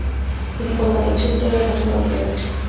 তিনি কলকাতা বিশ্ববিদ্যালয়ের প্রথম ডক্টরেট।